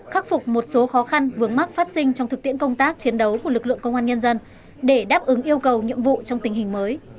khắc phục một số khó khăn vướng mắc phát sinh trong thực tiễn công tác chiến đấu của lực lượng công an nhân dân để đáp ứng yêu cầu nhiệm vụ trong tình hình mới